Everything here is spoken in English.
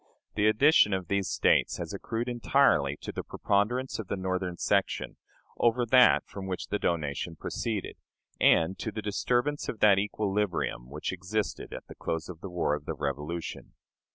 The addition of these States has accrued entirely to the preponderance of the Northern section over that from which the donation proceeded, and to the disturbance of that equilibrium which existed at the close of the war of the Revolution.